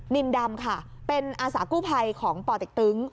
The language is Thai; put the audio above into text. นินดำเป็นอาสากู้ไพของป่อเต็กตึ๊ง